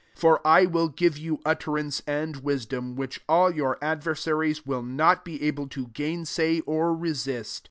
15 For I will give you utter ance and wisdom, which all your adversaries will not be able to gainsay or resist.